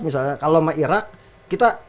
misalnya kalau sama irak kita